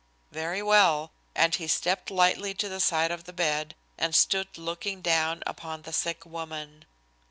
"Very well," and he stepped lightly to the side of the bed and stood looking down upon the sick woman.